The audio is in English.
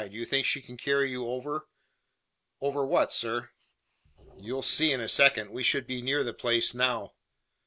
Do you think she can carry you over " "Over what, sir?" "You'll see in a second. We should be near the place now."